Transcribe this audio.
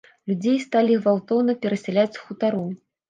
Людзей сталі гвалтоўна перасяляць з хутароў.